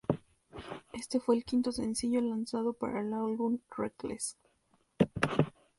Este fue el quinto sencillo lanzado para el álbum "Reckless".